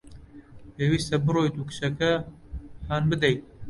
پێویستە بڕۆیت و کچەکە هان بدەیت.